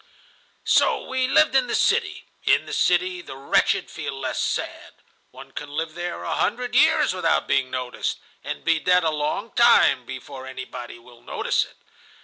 "So we lived in the city. In the city the wretched feel less sad. One can live there a hundred years without being noticed, and be dead a long time before anybody will notice it.